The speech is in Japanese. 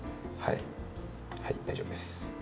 はい大丈夫です。